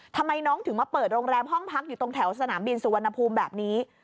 ทำไมน้องถึงมาเปิดโรงแรมห้องพักอยู่ตรงแถวสนามบินสุวรรณภูมิแบบนี้